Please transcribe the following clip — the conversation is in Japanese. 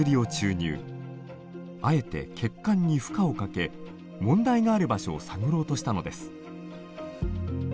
あえて血管に負荷をかけ問題がある場所を探ろうとしたのです。